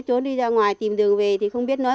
trốn đi ra ngoài tìm đường về thì không biết nói